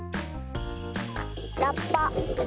ラッパ。